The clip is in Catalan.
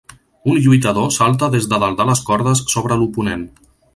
Un lluitador salta des de dalt de les cordes sobre l'oponent.